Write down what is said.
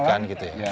pendidikan gitu ya